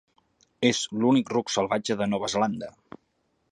És l'únic ruc salvatge de Nova Zelanda.